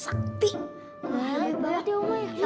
sakti banget ya oma